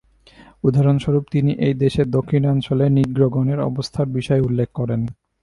উদাহরণস্বরূপ তিনি এই দেশের দক্ষিণাঞ্চলে নিগ্রোগণের অবস্থার বিষয় উল্লেখ করেন।